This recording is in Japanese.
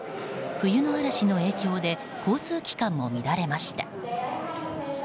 冬の嵐の影響で交通機関も乱れました。